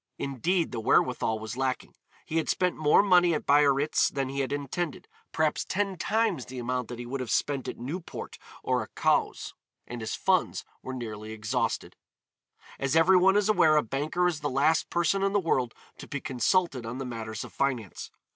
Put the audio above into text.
Indeed the wherewithal was lacking. He had spent more money at Biarritz than he had intended, perhaps ten times the amount that he would have spent at Newport or at Cowes, and his funds were nearly exhausted. As every one is aware a banker is the last person in the world to be consulted on matters of finance.